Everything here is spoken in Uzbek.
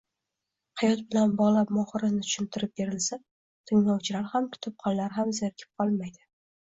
hayot bilan bog‘lab mohirona tushuntirib berilsa, tinglovchilar ham, kitobxonlar ham zerikib qolmaydi.